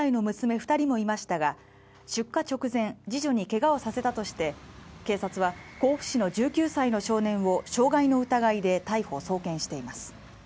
二人もいましたが出火直前次女にけがをさせたとして警察は甲府市の１９歳の少年を傷害の疑いで逮捕送検しています